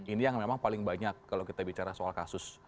ini yang memang paling banyak kalau kita bicara soal kasus